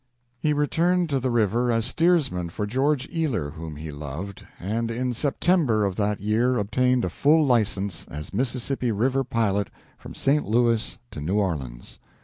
He returned to the river as steersman for George Ealer, whom he loved, and in September of that year obtained a full license as Mississippi River pilot from St. Louis to New Orleans.